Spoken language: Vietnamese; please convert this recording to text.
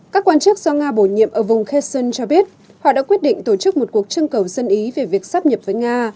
các quan chức do nga bổ nhiệm ở vùng kheson cho biết họ đã quyết định tổ chức một cuộc trưng cầu dân ý về việc sắp nhập với nga